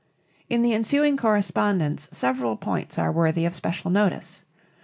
In the ensuing correspondence several points are worthy of special notice.